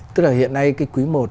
tức là hiện nay cái quý một